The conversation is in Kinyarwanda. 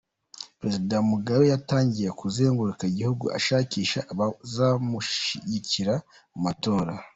Perezida Mugabe yatangiye kuzenguruka igihugu ashakisha abazamushyigikira mu matora .